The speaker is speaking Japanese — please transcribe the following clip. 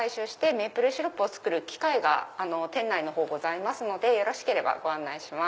メープルシロップを作る機械が店内の方ございますのでよろしければご案内します。